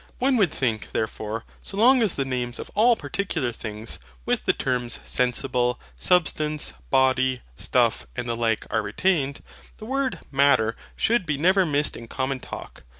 One would think, therefore, so long as the names of all particular things, with the TERMS SENSIBLE, SUBSTANCE, BODY, STUFF, and the like, are retained, the word MATTER should be never missed in common talk.